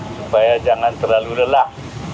supaya jangan terlalu lelah